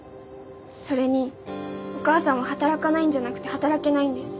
それにお母さんは働かないんじゃなくて働けないんです。